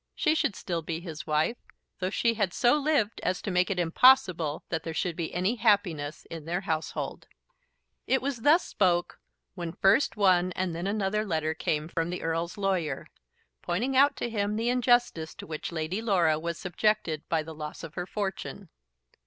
She should still be his wife, though she had so lived as to make it impossible that there should be any happiness in their household. It was thus he spoke when first one and then another letter came from the Earl's lawyer, pointing out to him the injustice to which Lady Laura was subjected by the loss of her fortune.